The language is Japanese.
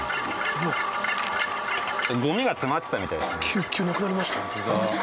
キュッキュッなくなりました。